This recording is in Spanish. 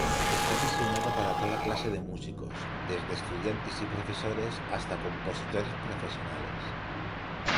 Está diseñado para toda clase de músicos, desde estudiantes y profesores hasta compositores profesionales.